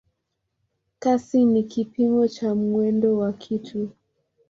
Kasi ni kipimo cha mwendo wa kitu.